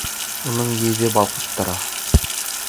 Уның йөҙө балҡып тора.